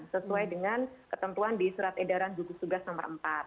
sesuai dengan ketentuan di serat edaran jukus tugas no empat